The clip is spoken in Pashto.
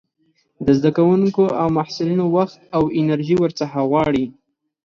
د زده کوونکو او محصلينو وخت او انرژي ورڅخه غواړي.